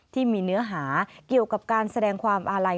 ที่มีเนื้อหาเกี่ยวกับการแสดงความอาลัย